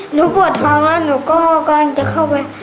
หนูปวดท้องแล้วหนูก็กำลังจะเข้าไป